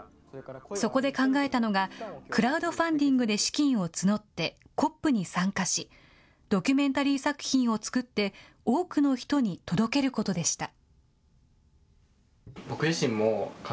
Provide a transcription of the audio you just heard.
そこで考えたのが、クラウドファンディングで資金を募ってＣＯＰに参加し、ドキュメンタリー作品を作って、多くの人に届けることでした。